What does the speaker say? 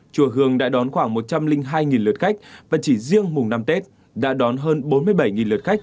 chùa hương đã đón khoảng một trăm linh hai lượt khách và chỉ riêng mùng năm tết đã đón hơn bốn mươi bảy lượt khách